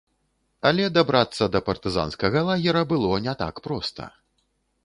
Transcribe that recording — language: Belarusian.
Але дабрацца да партызанскага лагера было не так проста.